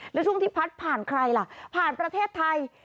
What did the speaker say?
แล้วช่วงที่พัดผ่านใครล่ะผ่านประเทศไทย